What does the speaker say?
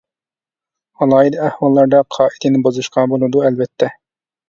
ئالاھىدە ئەھۋاللاردا قائىدىنى بۇزۇشقا بولىدۇ ئەلۋەتتە.